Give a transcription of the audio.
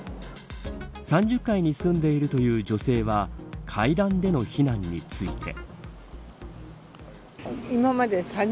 ３０階に住んでいるという女性は階段での避難について。